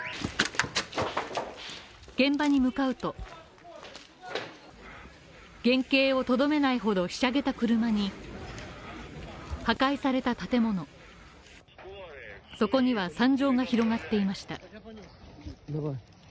現場に向かうと原形をとどめないほど、ひしゃげた車に破壊された建物、そこには惨状が広がっていました。